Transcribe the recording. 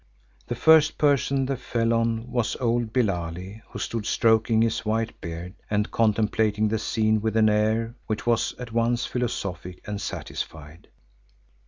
The first person they fell on was old Billali who stood stroking his white beard and contemplating the scene with an air which was at once philosophic and satisfied.